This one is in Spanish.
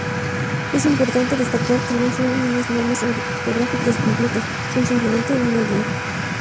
Es importante destacar que no son unas normas ortográficas completas; son simplemente una guía.